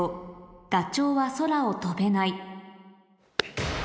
「ダチョウは空を飛べない」